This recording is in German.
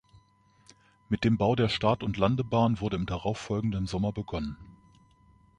Mit dem Bau der Start- und Landebahn wurde im darauffolgenden Sommer begonnen.